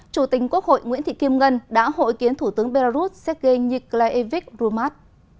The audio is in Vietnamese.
chủ tịch quốc hội nguyễn thị kim ngân đã hội kiến thủ tướng belarus sergei nikolaevich rumat